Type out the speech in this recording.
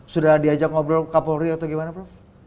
sudah diajak ngobrol kapolri atau gimana prof